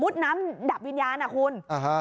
น้ำดับวิญญาณอ่ะคุณอ่าฮะ